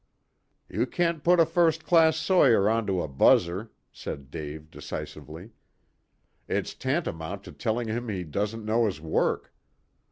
"You can't put a first class sawyer on to a 'buzzer,'" said Dave decisively. "It's tantamount to telling him he doesn't know his work.